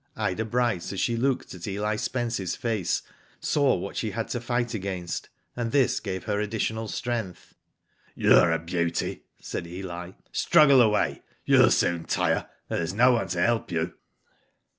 Ida Bryce, as she looked at Eli Spencers face, saw what she had to fight against, and this gave her additional strength. " You're a beauty," said Eli. " Struggle away, you'll soon tire, and there's no one to help you."